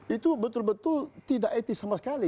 itu betul betul tidak etis sama sekali